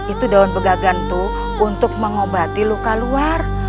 itu daun pegagan tuh untuk mengobati luka luar